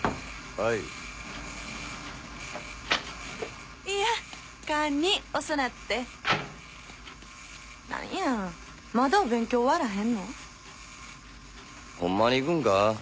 はいいや堪忍遅なってなんやまだお勉強終わらへんのホンマに行くんか？